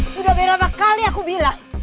sudah berapa kali aku bilang